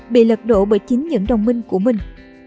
bị lật đổ bởi chính những đồng minh của mình